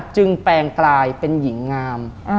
แปลงกลายเป็นหญิงงาม